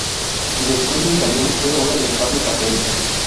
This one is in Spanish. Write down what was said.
El descuento italiano fue obra de Fabio Capello.